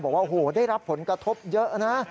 บอกว่าโอ้โหได้รับผลกระทบเยอะนะ